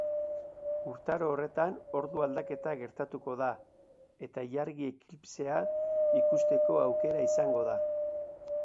Urtaro horretan ordu-aldaketa gertatuko da, eta ilargi-eklipsea ikusteko aukera izango da.